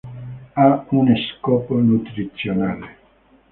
Ha uno scopo nutrizionale.